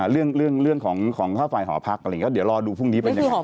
เรื่องของฟายหอพักเดี๋ยวรอดูพรุ่งนี้เป็นยังไง